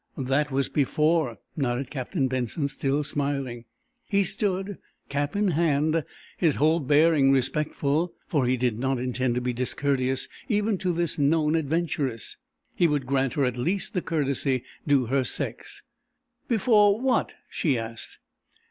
"That was before," nodded Captain Benson, still smiling. He stood cap in hand, his whole bearing respectful, for he did not intend to be discourteous even to this known adventuress. He would grant her at least the courtesy due her sex. "Before what?" she asked.